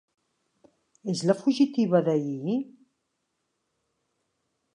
És la fugitiva d'ahir?